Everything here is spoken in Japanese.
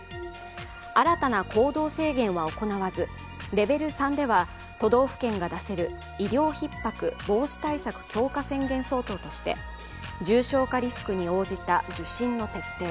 新たな行動制限は行わずレベル３では都道府県が出せる、医療ひっ迫防止対策強化宣言相当として重症化リスクに応じた受診の徹底。